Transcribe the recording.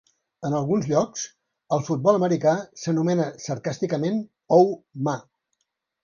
En alguns llocs, el futbol americà s'anomena sarcàsticament "ou-mà".